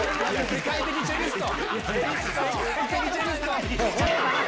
世界的チェリスト！